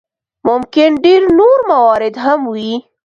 ممکن ډېر نور موارد هم وي.